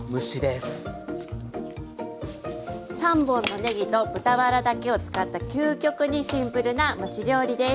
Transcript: ３本のねぎと豚バラだけを使った究極にシンプルな蒸し料理です。